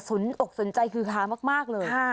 นอกสนใจคือฮามากเลย